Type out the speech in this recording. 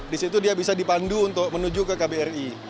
disitu dia bisa dipandu untuk menuju ke kbri